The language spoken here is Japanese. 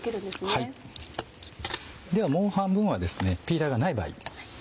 ではもう半分はピーラーがない場合。